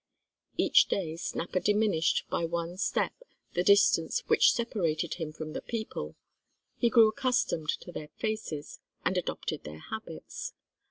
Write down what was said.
Each day Snapper diminished by one step the distance which separated him from the people; he grew accustomed to their faces, and adopted their habits.